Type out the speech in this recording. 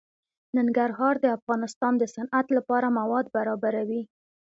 ننګرهار د افغانستان د صنعت لپاره مواد برابروي.